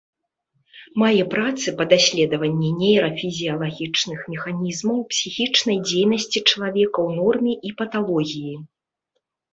Мае працы па даследаванні нейрафізіялагічных механізмаў псіхічнай дзейнасці чалавека ў норме і паталогіі.